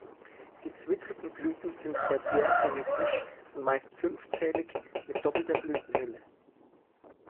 Die zwittrigen Blüten sind radiärsymmetrisch und meist fünfzählig mit doppelter Blütenhülle.